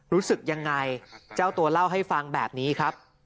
รู้สึกยังไงเจ้าตัวเล่าให้ฟังแบบนี้ครับ